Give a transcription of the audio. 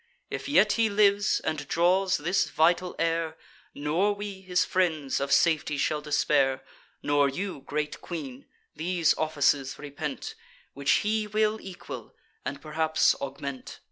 If yet he lives, and draws this vital air, Nor we, his friends, of safety shall despair; Nor you, great queen, these offices repent, Which he will equal, and perhaps augment.